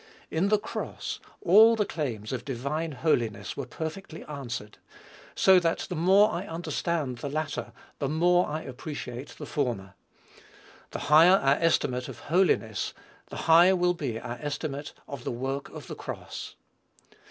In the cross, all the claims of divine holiness were perfectly answered; so that the more I understand the latter, the more I appreciate the former. The higher our estimate of holiness, the higher will be our estimate of the work of the cross.